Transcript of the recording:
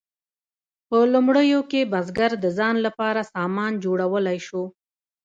په لومړیو کې بزګر د ځان لپاره سامان جوړولی شو.